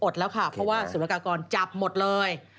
ค่ะเพราะว่าสุรกากรจับหมดเลย